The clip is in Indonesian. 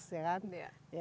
sudah zaman now